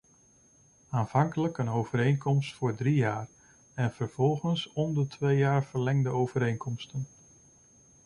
Aanvankelijk een overeenkomst voor drie jaar en vervolgens om de twee jaar verlengde overeenkomsten.